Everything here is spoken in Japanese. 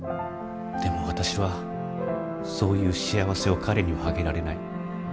でも私はそういう幸せを彼にはあげられない。